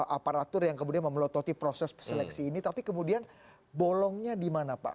aparatur yang kemudian memelototi proses seleksi ini tapi kemudian bolongnya di mana pak